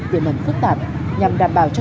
tiền mẩn phức tạp nhằm đảm bảo cho